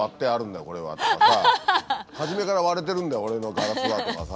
これは」とかさ「初めから割れてるんだよ俺のガラスは」とかさ